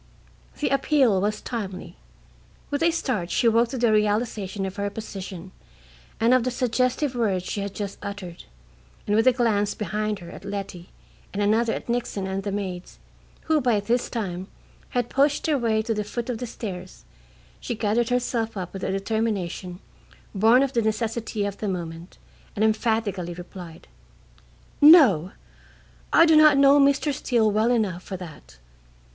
The appeal was timely. With a start she woke to the realization of her position and of the suggestive words she had just uttered, and with a glance behind her at Letty and another at Nixon and the maids, who by this time had pushed their way to the foot of the stairs, she gathered herself up with a determination born of the necessity of the moment and emphatically replied: "No; I do not know Mr. Steele well enough for that.